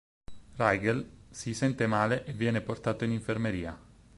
Rygel si sente male e viene portato in infermeria.